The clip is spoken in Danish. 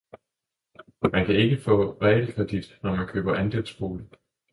Man kan ikke få realkredit, når man køber en andelsbolig.